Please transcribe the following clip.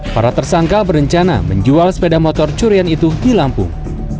para tersangka berencana menjual sepeda motor curian itu di lampung